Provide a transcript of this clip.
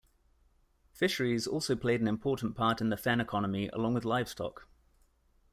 Fisheries also played an important part in the fen economy, along with livestock.